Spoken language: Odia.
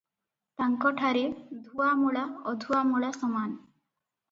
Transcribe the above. ତାଙ୍କଠାରେ ଧୁଆ ମୂଳା ଅଧୁଆ ମୂଳା ସମାନ ।